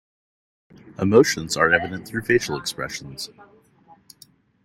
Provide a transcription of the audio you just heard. Emotions are evident through facial expressions.